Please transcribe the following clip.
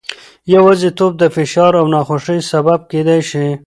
یوازیتوب د فشار او ناخوښۍ سبب کېدای شي.